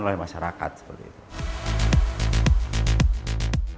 yang dibutuhkan oleh masyarakat